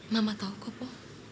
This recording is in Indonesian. mama tahu po